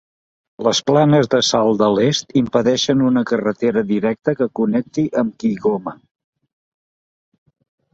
Les planes de sal de l'est impedeixen una carretera directa que connecti amb Kigoma.